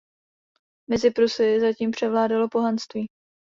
Mezi Prusy zatím převládalo pohanství.